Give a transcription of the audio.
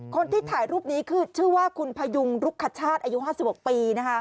คนที่ถ่ายรูปนี้คือชื่อว่าคุณพยุงลุคชาติ